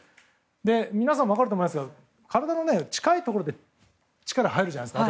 皆さんも分かると思いますが体の近いところでは力が入るじゃないですか。